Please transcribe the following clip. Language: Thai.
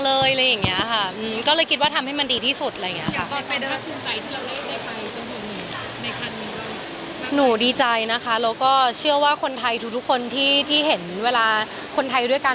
เราก็เชื่อว่าคนไทยทุกคนที่เห็นเวลาคนไทยด้วยกัน